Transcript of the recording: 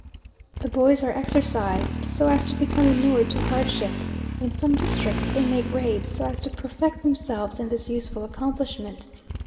The boys are exercised so as to become inured to hardship; in some districts, they make raids so as to perfect themselves in this useful accomplishment.